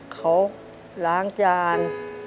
เขาล้างจาน